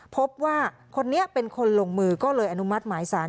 พบว่าคนนี้เป็นคนลงมือก็เลยอนุมัติหมายสาร